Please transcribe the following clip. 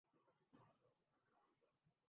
تو عوام امنڈ آتے ہیں۔